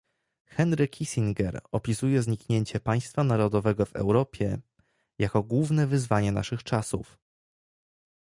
Henry Kissinger opisuje zniknięcie państwa narodowego w Europie jako główne wyzwanie naszych czasów